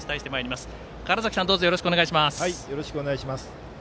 よろしくお願いします。